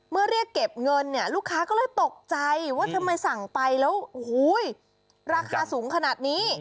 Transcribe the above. เรียกเก็บเงินเนี่ยลูกค้าก็เลยตกใจว่าทำไมสั่งไปแล้วโอ้โหราคาสูงขนาดนี้